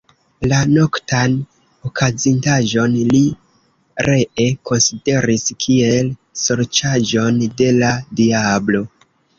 La noktan okazintaĵon li ree konsideris kiel sorĉaĵon de la diablo.